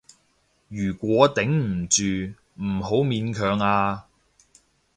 如果頂唔住，唔好勉強啊